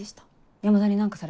山田に何かされた？